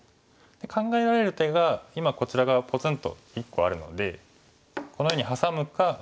考えられる手が今こちら側ぽつんと１個あるのでこのようにハサむか